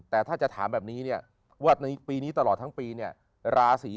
แต่ถ้าจะถามแบบนี้เนี่ยว่าในปีนี้ตลอดทั้งปีเนี่ยราศี